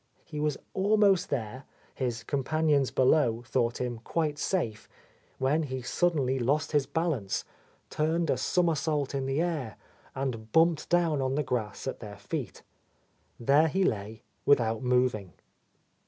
He was almost there, his companions below thought him quite safe, when he suddenly lost his A Lost Lady balance, turned a somersault in the air, and bumped down on the grass at their feet. There he lay without moving.